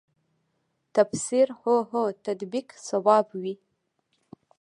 تفسیر هو هو تطبیق صواب وي.